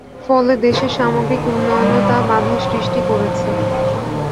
ফলে দেশের সামগ্রিক উন্নয়নেও তা বাধার সৃষ্টি করছে।